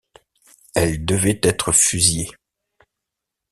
Elles devaient être fusillées.